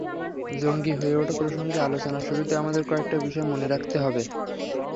জঙ্গি হয়ে ওঠা প্রসঙ্গে আলোচনার শুরুতে আমাদের কয়েকটা বিষয় মনে রাখতে হবে।